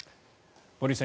森内さん